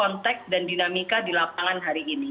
konteks dan dinamika di lapangan hari ini